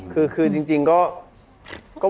แหละ